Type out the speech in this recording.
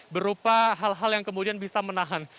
berupa hal hal yang kemudian bisa menahan